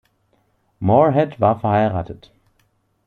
Moorehead war verheiratet.